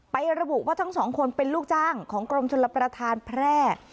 ระบุว่าทั้งสองคนเป็นลูกจ้างของกรมชลประธานแพร่